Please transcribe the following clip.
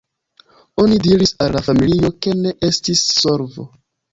Oni diris al la familio ke ne estis solvo”.